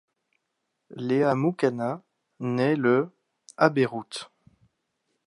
Léa Moukanas naît le à Beyrouth.